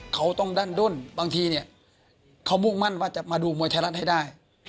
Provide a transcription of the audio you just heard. เขาต้องดันดุ้นบางทีเขามุ่งมั่นว่าจะมาดูมวยธรรมให้ได้